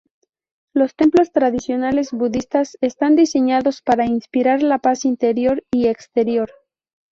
Los templos tradicionales budistas están diseñados para inspirar la paz interior y exterior.